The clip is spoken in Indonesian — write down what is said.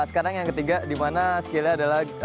sekarang yang ketiga dimana skillnya adalah